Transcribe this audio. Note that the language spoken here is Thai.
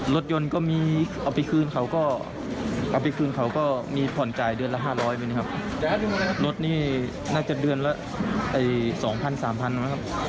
รถยนต์ก็มีเอาไปคืนเขาก็เอาไปคืนเขาก็มีผ่อนจ่ายเดือนละห้าร้อยมั้ยนะครับรถนี่น่าจะเดือนละไอสองพันสามพันนะครับอ๋อ